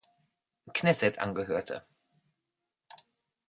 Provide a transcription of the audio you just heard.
Knesset angehörte.